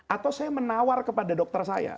atau saya menawar kepada dokter saya